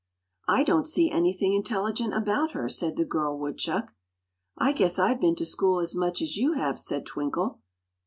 "I don't see anything intelligent about her," said the girl woodchuck. "I guess I've been to school as much as you have," said Twinkle.